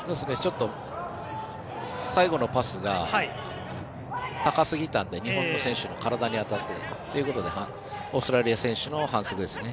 最後のパスが高すぎたので日本の選手の体に当たってということでオーストラリア選手の反則ですね。